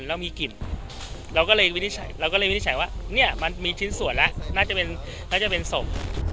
เราก็เลยวินิจฉัยเราก็เลยวินิจฉัยว่าเนี้ยมันมีชิ้นส่วนละน่าจะเป็นน่าจะเป็นศพ